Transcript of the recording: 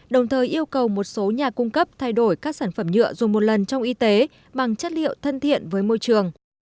đồng thời yêu cầu một số nhà cung cấp thay đổi các sản phẩm nhựa dùng một lần trong y tế bằng chất liệu thân thiện với môi trường